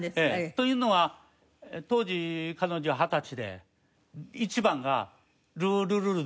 というのは当時彼女二十歳で１番が「ルールルル」だけですから。